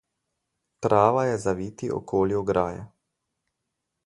Trava je zaviti okoli ograje.